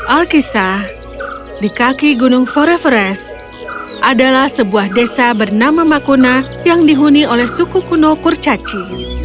alkisah di kaki gunung forefres adalah sebuah desa bernama makuna yang dihuni oleh suku kuno kurcaci